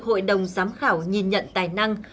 hội đồng giám khảo nhìn nhận tài năng